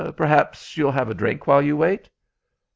Perhaps you'll have a drink while you wait?"